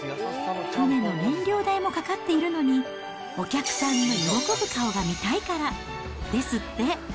船の燃料代もかかっているのに、お客さんの喜ぶ顔が見たいからですって。